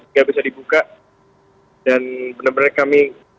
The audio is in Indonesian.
nggak bisa dibuka dan benar benar kami